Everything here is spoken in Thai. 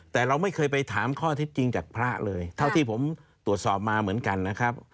แต่เราไม่เคยไปถามข้อเท็จจริงจากพระเลยเท่าที่ผมตรวจสอบมาเหมือนกันนะครับ